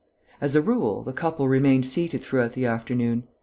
As a rule, the couple remained seated throughout the afternoon.